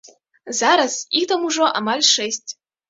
Зараз іх там ужо амаль шэсць.